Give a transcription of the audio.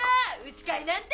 牛飼いなんて。